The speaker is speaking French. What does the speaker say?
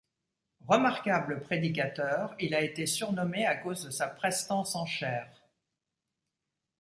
Remarquable prédicateur, il a été surnommé à cause de sa prestance en chaire.